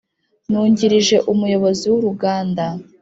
nungirije umuyobozi wuruganda